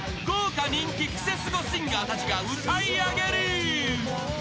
豪華人気クセスゴシンガーたちが歌い上げる！